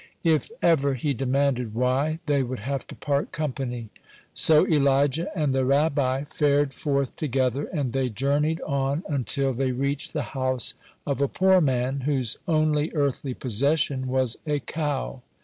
If ever he demanded why, they would have to part company. So Elijah and the Rabbi fared forth together, and they journeyed on until they reached the house of a poor man, whose only earthly possession was a cow.